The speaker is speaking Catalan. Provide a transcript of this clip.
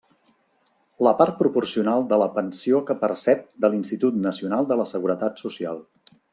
La part proporcional de la pensió que percep de l'Institut Nacional de la Seguretat Social.